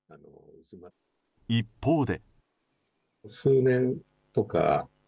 一方で。